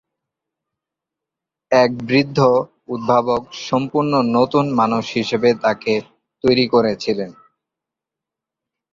এক বৃদ্ধ উদ্ভাবক সম্পূর্ণ নতুন মানুষ হিসেবে তাকে তৈরি করেছিলেন।